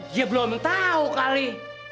ya belum tau kali